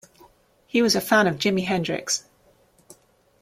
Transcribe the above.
He was a fan of Jimi Hendrix.